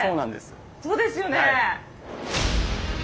そうですよね。